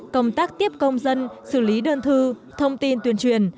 công tác tiếp công dân xử lý đơn thư thông tin tuyên truyền